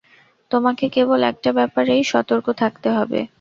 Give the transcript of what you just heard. তোমাকে কেবল একটা ব্যাপারেই সতর্ক থাকতে হবে।